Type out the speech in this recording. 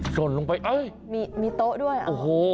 ส่วนลงไปมีโต๊ะด้วยโอ้โห